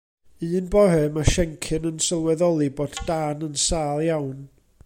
Un bore, mae Siencyn yn sylweddoli bod Dan yn sâl iawn.